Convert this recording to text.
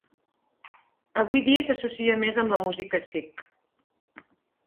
Avui dia s'associa més amb la música sikh.